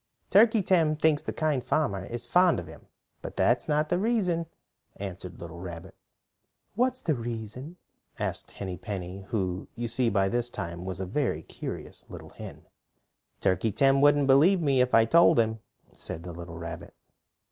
"Turkey Tim thinks the Kind Farmer is fond of him, but that's not the reason," answered the little rabbit. "What is the reason?" asked Henny Penny, who you see by this time was a very curious little hen. "Turkey Tim wouldn't believe me if I told him," said the little rabbit.